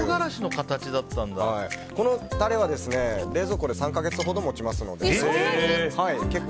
このタレは冷蔵庫で３か月ほど持ちますので。